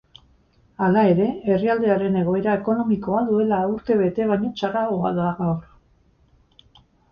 Hala ere, herrialdearen egoera ekonomikoa duela urte bete baino txarragoa da gaur.